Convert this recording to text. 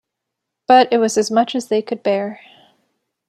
But it was as much as they could bear.